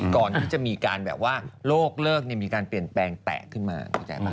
ก่อนที่จะมีว่าโลกเลิกเปลี่ยนแปลงะแตะขึ้นมา